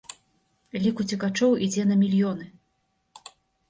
Лік уцекачоў ідзе на мільёны.